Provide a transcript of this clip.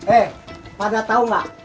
eh pada tau gak